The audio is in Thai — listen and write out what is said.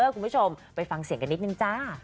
คุณผู้ชมไปฟังเสียงกันนิดนึงจ้า